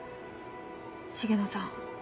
重野さん